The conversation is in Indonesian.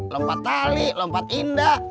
lompat tali lompat indah